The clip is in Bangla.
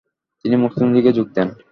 তিনি মুসলিম লীগে যোগ দেন।